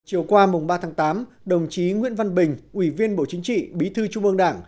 chiều qua mùng ba tháng tám đồng chí nguyễn văn bình ủy viên bộ chính trị bí thư trung ương đảng